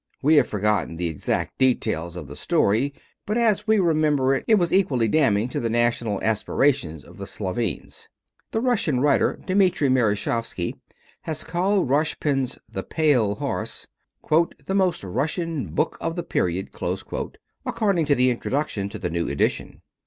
We have forgotten the exact details of the story, but as we remember, it was equally damning to the national aspirations of the Slovenes. The Russian writer Dmitry Mereshkovsky has called Roshpin's The Pale Horse "the most Russian book of the period," according to the introduction in the new edition.